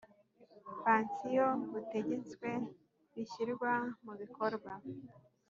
Pansiyo butegetswe bishyirwa mu bikorwa